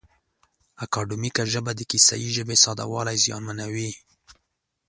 اکاډیمیکه ژبه د کیسه یي ژبې ساده والی زیانمنوي.